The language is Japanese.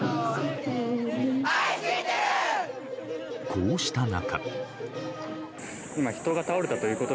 こうした中。